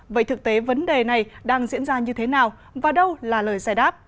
vậy thực tế vấn đề này đang diễn ra như thế nào và đâu là lời giải đáp